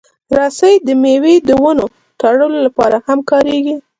رسۍ د مېوې د ونو تړلو لپاره هم کارېږي.